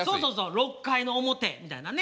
「６回の表」みたいなね。